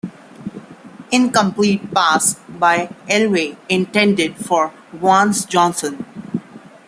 Incomplete pass by Elway, intended for Vance Johnson.